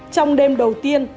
trong đêm đầu tiên